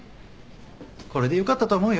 これでよかったと思うよ。